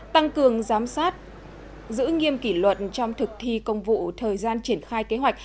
tăng cường giám sát giữ nghiêm kỷ luật trong thực thi công vụ thời gian triển khai kế hoạch